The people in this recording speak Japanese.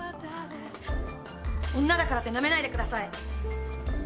女だからってなめないでください！